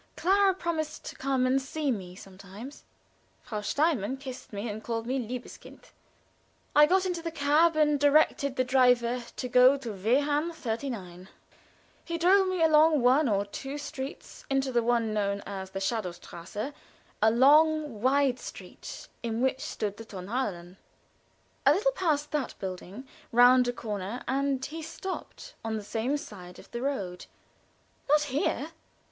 Clara promised to come and see me sometimes. Frau Steinmann kissed me, and called me liebes Kind. I got into the cab and directed the driver to go to Wehrhahn, 39. He drove me along one or two streets into the one known as the Schadowstrasse, a long, wide street, in which stood the Tonhalle. A little past that building, round a corner, and he stopped, on the same side of the road. "Not here!"